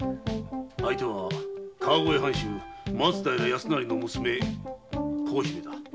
相手は川越藩主松平康成の娘「幸姫」だ。